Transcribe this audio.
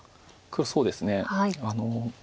そうですね。